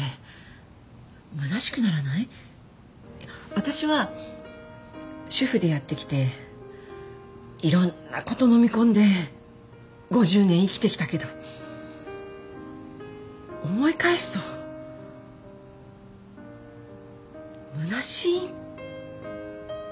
私は主婦でやってきていろんなことのみ込んで５０年生きてきたけど思い返すとむなしい。